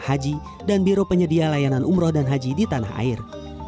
haji dan biro penyedia layanan umroh dan haji di tanah air